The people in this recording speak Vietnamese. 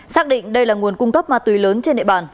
xác định đây là nguồn cung cấp ma túy lớn trên địa bàn